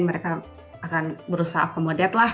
mereka akan berusaha akomodate lah